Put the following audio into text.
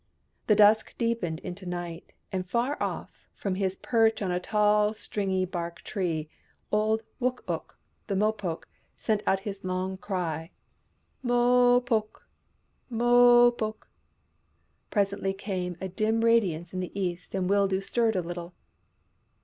The dusk deepened into night, and far off, from his perch on a tall stringy bark tree, old Wook ook, the Mopoke, sent out his long cry, " Mo— poke ! Mo — poke !" Presently came a dim radiance in the east and Wildoo stirred a little.